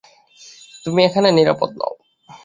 তুমি এখানে নিরাপদ নও।